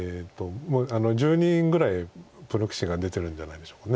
１０人ぐらいプロ棋士が出てるんじゃないでしょうか。